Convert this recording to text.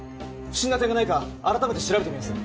不審な点がないか改めて調べてみます